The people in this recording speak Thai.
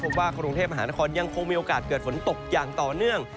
ว่ากรุงเทพมหานครยังคงมีโอกาสเกิดฝนตกอย่างต่อเนื่อง